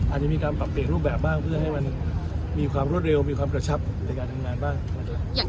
อาจจะมีการปรับเปลี่ยนรูปแบบบ้างเพื่อให้มีความรวดเร็วประชับในการทำงานบ้าง